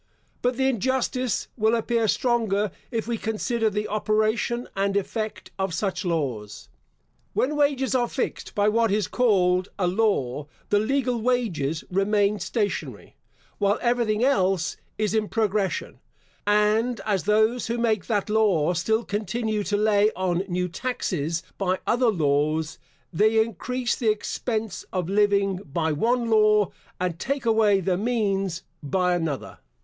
But the injustice will appear stronger, if we consider the operation and effect of such laws. When wages are fixed by what is called a law, the legal wages remain stationary, while every thing else is in progression; and as those who make that law still continue to lay on new taxes by other laws, they increase the expense of living by one law, and take away the means by another.